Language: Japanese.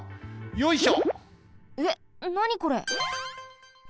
よいしょ！